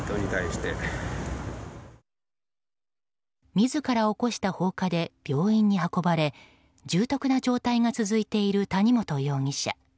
自ら起こした放火で病院に運ばれ重篤な状態が続いている谷本容疑者。